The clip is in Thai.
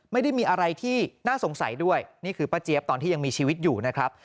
ไม่ได้มีอะไรที่น่าสงสัยด้วยนี่คือป้าเจี๊ยบตอนที่ยังมีชีวิตอยู่นะครับ